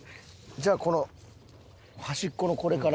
じゃあこの端っこのこれから。